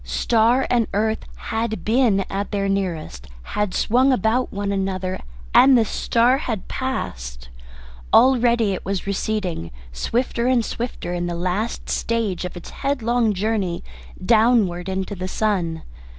Star and earth had been at their nearest, had swung about one another, and the star had passed. Already it was receding, swifter and swifter, in the last stage of its headlong journey downward into the sun.